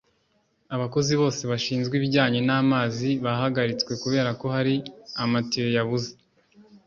abakozi bose bashinzwe ibijyanye na mazi bahagaritswe kubera ko hari amatiyo yabuze